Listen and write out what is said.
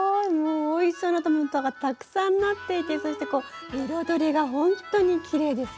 おいしそうなトマトがたくさんなっていてそして彩りがほんとにきれいですよね。